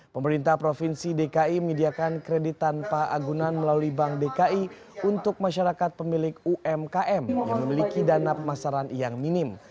pemerintah provinsi dki menyediakan kredit tanpa agunan melalui bank dki untuk masyarakat pemilik umkm yang memiliki dana pemasaran yang minim